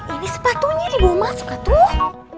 ini sepatunya di bawah masker tuh